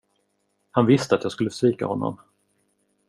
Han visste att jag skulle svika honom.